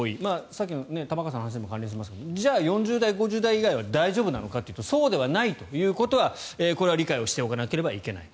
さっきの玉川さんの話も関連しますけれどじゃあ、４０代５０代以外は大丈夫なのかというとそうではないということをこれは理解していないといけない。